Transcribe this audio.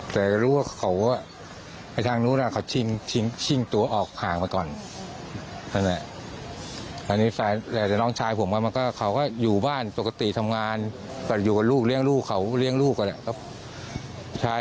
แต่ก็รู้ว่าเขาทางนู้นเขาชิงตัวออกห่างไปก่อนแล้วน้องชายผมเขาก็อยู่บ้านปกติทำงานอยู่กับลูกเลี้ยงลูกเขาเลี้ยงลูกก็แหละ